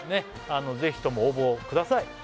ぜひとも応募ください